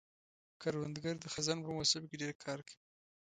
کروندګر د خزان په موسم کې ډېر کار کوي